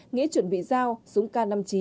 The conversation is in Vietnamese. nghĩa chuẩn bị giao súng k năm mươi chín